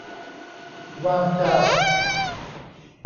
ว่างจ้า